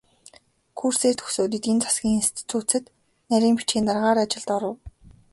Курсээ төгсөөд эдийн засгийн институцэд нарийн бичгийн даргын ажилд оров.